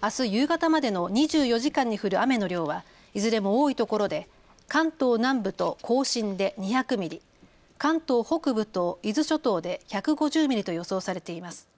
あす夕方までの２４時間に降る雨の量はいずれも多いところで関東南部と甲信で２００ミリ、関東北部と伊豆諸島で１５０ミリと予想されています。